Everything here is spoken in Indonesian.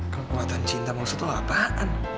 kekuatan cinta maksud lo apaan